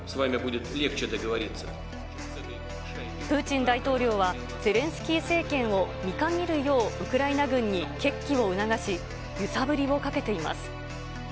プーチン大統領は、ゼレンスキー政権を見限るよう、ウクライナ軍に決起を促し、揺さぶりをかけています。